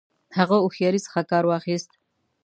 هغه هوښیاري څخه کار واخیست.